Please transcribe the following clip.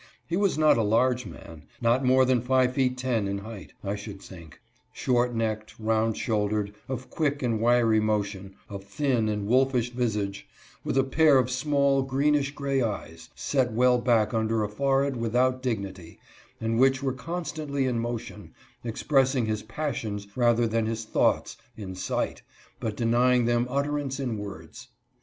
He was not a large man — not more than five feet ten inches in height, I should think; short necked, round shouldered, of quick and wiry motion, of thin and wolfish visage, with a pair of small, greenish gray eyes, set well back under a forehead without dignity, and which were constantly in motion, expressing his passions rather than his thoughts, in sight, but denying them utter ance in words.